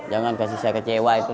jangan kasih saya kecewa itu